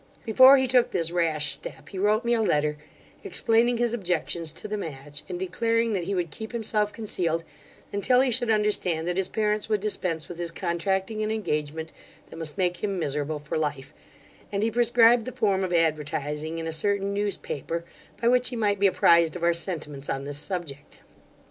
Before he took this rash step, he wrote me a letter, explaining his objections to the match, and declaring, that he would keep himself concealed until he should understand that his parents would dispense with his contracting an engagement that must make him miserable for life, and he prescribed the form of advertising in a certain newspaper, by which he might be apprized of our sentiments on this subject.